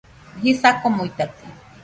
Jisa komuitate